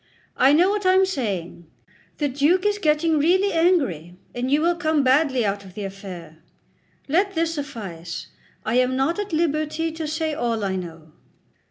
I know what I am saying. The Duke is getting really angry, and you will come badly out of the affair. Let this suffice; I am not at liberty to say all I know."